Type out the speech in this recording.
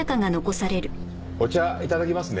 お茶頂きますね。